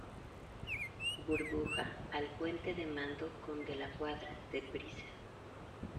burbuja, al puente de mando con De la Cuadra , deprisa.